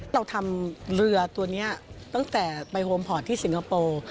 เราทำเรือตัวนี้ตั้งแต่ไปโฮมพอร์ตที่สิงคโปร์